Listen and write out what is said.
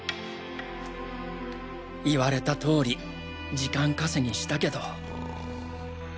言われた通り時間稼ぎしたけど